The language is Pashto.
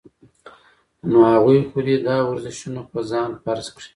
نو هغوي خو دې دا ورزشونه پۀ ځان فرض کړي -